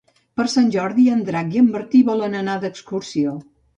Per Sant Jordi en Drac i en Martí volen anar d'excursió.